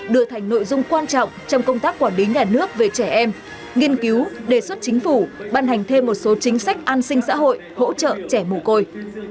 đưa thành nội dung quan trọng trong công tác quản lý nhà nước về trẻ em nghiên cứu đề xuất chính phủ ban hành thêm một số chính sách an sinh xã hội hỗ trợ trẻ mồ côi